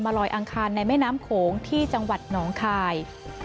ลอยอังคารในแม่น้ำโขงที่จังหวัดหนองคาย